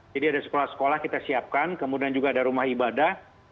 jadi ada sekolah sekolah kita siapkan kemudian juga ada rumah ibadah